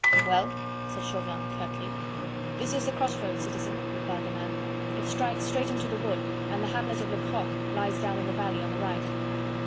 "Well?" said Chauvelin curtly. "This is the cross road, citizen," replied the man; "it strikes straight into the wood, and the hamlet of Le Crocq lies down in the valley on the right."